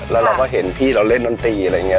แล้วเราก็เห็นพี่เราเล่นดนตรีอะไรอย่างนี้